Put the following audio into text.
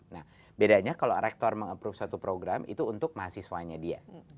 nah bedanya kalau rektor meng approve satu program itu untuk mahasiswanya dia